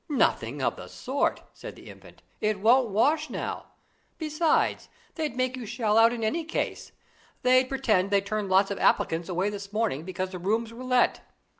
"Nothing of the sort," said the Infant; "it won't wash now. Besides, they'd make you shell out in any case. They'd pretend they turned lots of applicants away this morning, because the rooms were let.